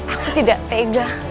aku tidak tega